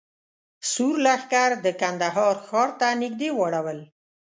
سور لښکر د کندهار ښار ته نږدې واړول.